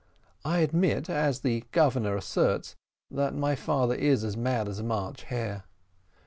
"I admit, as the Governor asserts, that my father is as mad as a March hare."